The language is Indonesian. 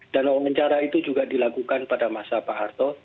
dan wawancara itu juga dilakukan pada masa pak harto